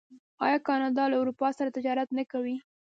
آیا کاناډا له اروپا سره تجارت نه کوي؟